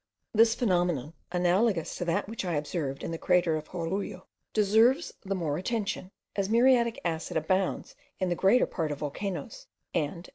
This phenomenon, analogous to that which I observed in the crater of Jorullo, deserves the more attention, as muriatic acid abounds in the greater part of volcanoes, and as M.